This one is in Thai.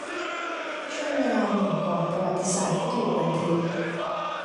ช่วงเวลาหนึ่งก่อนประวัติศาสตร์ที่ถูกบันทึก